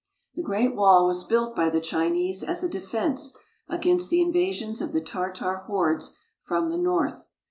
The Great Wall was built by the Chinese as a defense against the invasions of the Tartar hordes from the north.